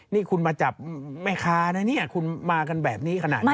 นี่คุณมาจับแม่ค้านะเนี่ยคุณมากันแบบนี้ขนาดนี้